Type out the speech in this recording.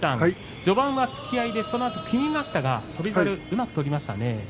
序盤は突き合いで、そのあと組みましたが翔猿はうまく取りましたね。